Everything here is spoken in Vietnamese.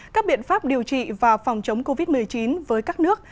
các biện pháp điều trị và phòng chống covid một mươi chín với các nước